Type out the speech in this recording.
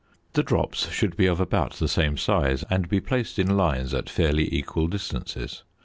The drops should be of about the same size and be placed in lines at fairly equal distances.